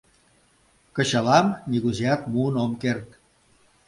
Кычалам — нигузеат муын ом керт.